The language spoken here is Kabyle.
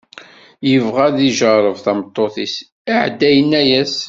yebɣa ad d-ijerreb tameṭṭut-is, iɛedda yenna-as.